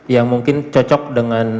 yang mungkin cocok dengan